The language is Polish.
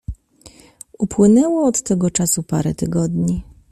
"Upłynęło od tego czasu parę tygodni."